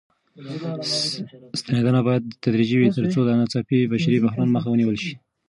ستنېدنه بايد تدريجي وي تر څو د ناڅاپي بشري بحران مخه ونيول شي.